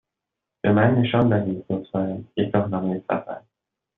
به من نشان دهید، لطفا، یک راهنمای سفر.